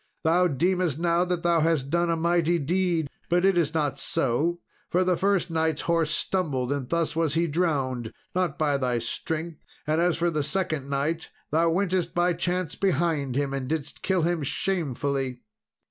Thou deemest now that thou hast done a mighty deed, but it is not so; for the first knight's horse stumbled, and thus was he drowned not by thy strength; and as for the second knight, thou wentest by chance behind him, and didst kill him shamefully."